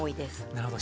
なるほど。